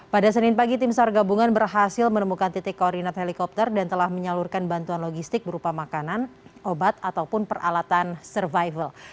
pada senin pagi tim sar gabungan berhasil menemukan titik koordinat helikopter dan telah menyalurkan bantuan logistik berupa makanan obat ataupun peralatan survival